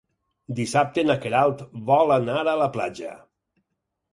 Dissabte na Queralt vol anar a la platja.